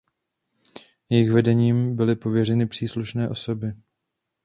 Jejich vedením byly pověřeny příslušné osoby.